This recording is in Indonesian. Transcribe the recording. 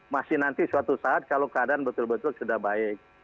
masih nanti suatu saat kalau keadaan betul betul sudah baik